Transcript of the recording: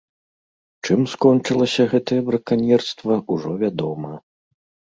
Чым скончылася гэтае браканьерства, ужо вядома.